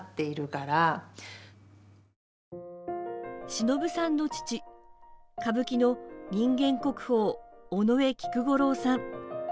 しのぶさんの父歌舞伎の人間国宝尾上菊五郎さん。